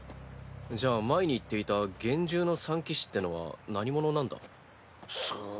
じゃあ前に言っていた幻獣の三騎士ってのは何者なんだ？さあ？